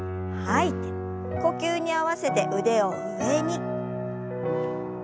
呼吸に合わせて腕を上に。